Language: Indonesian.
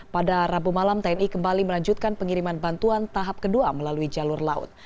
pada rabu malam tni kembali melanjutkan pengiriman bantuan tahap kedua melalui jalur laut